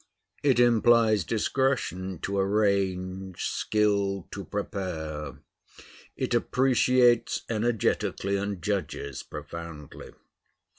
It implies discretion to arrange, skill to prepare; it appreciates energetically, and judges profoundly.